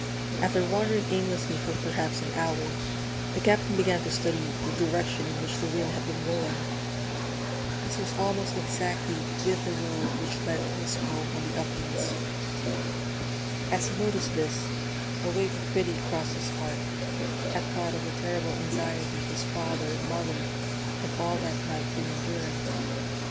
After wandering aimlessly for perhaps an hour, the Captain began to study the direction in which the wind had been blowing. This was almost exactly with the road which led to his home on the uplands. As he noticed this, a wave of pity crossed his heart, at thought of the terrible anxiety his father and mother had all that night been enduring.